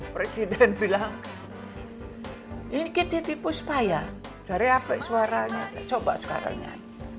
presiden bilang ini kita tipu supaya dari apa suaranya coba sekarang nyanyi